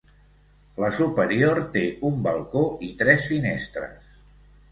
La superior té un balcó i tres finestres.